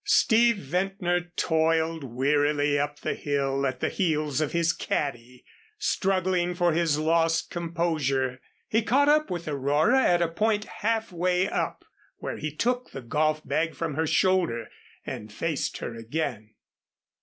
Steve Ventnor toiled wearily up the hill at the heels of his caddy, struggling for his lost composure. He caught up with Aurora at a point half way up where he took the golf bag from her shoulder and faced her again.